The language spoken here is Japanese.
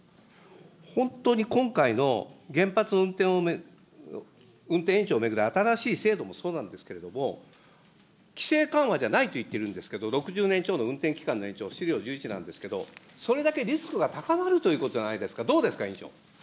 本当に今回の原発の運転延長を巡る新しい制度もそうなんですけれども、規制緩和じゃないといっているんですけれども、６０年超の運転期間の延長、資料１１なんですけど、それだけリスクが高まるということじゃないですか。